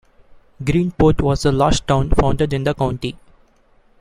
Greenport was the last town founded in the county.